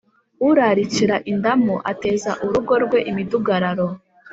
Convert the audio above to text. urarikira indamu ateza urugo rwe imidugararo,